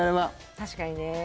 確かにね。